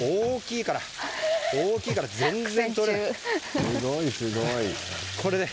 大きいから全然とれない。